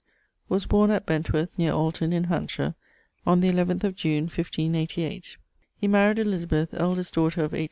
_) was borne at Bentworth, near Alton, in Hantshire, on the eleaventh of June, 1588. He maried Elizabeth, eldest daughter of H.